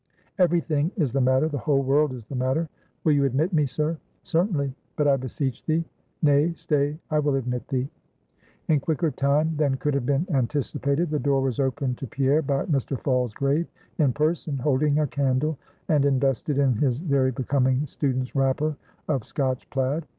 "Every thing is the matter; the whole world is the matter. Will you admit me, sir?" "Certainly but I beseech thee nay, stay, I will admit thee." In quicker time than could have been anticipated, the door was opened to Pierre by Mr. Falsgrave in person, holding a candle, and invested in his very becoming student's wrapper of Scotch plaid.